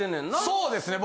そうですね